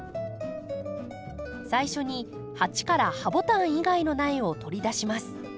最初に鉢からハボタン以外の苗を取り出します。